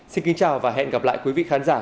xin kính chào và hẹn gặp lại quý vị khán giả